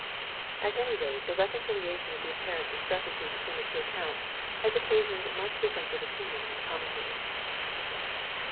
At any rate the reconciliation of the apparent dis crepancy between the two accounts, has occasioned much differ ence of opinion among commentators.